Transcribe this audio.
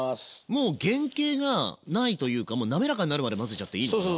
もう原形がないというか滑らかになるまで混ぜちゃっていいのかな？